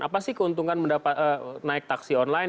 apa sih keuntungan naik taksi online